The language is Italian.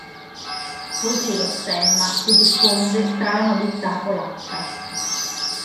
Così lo stemma si diffonde tra la nobiltà polacca.